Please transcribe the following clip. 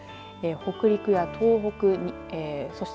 北陸や東北そして